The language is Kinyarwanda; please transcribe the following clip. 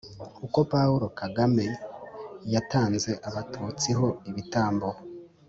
“uko paulo kagame yatanze abatutsi ho ibitambo